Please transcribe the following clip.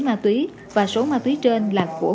ma túy và số ma túy trên là của